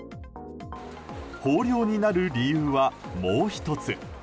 豊漁になる理由はもう１つ。